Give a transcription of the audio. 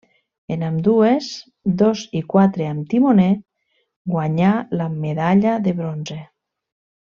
En ambdues, dos i quatre amb timoner, guanyà la medalla de bronze.